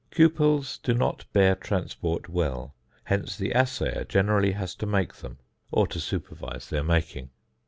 Cupels do not bear transport well; hence the assayer generally has to make them, or to supervise their making.